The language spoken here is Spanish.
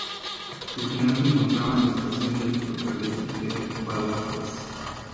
Su final se encontraba en la estación de ferrocarril de Badajoz.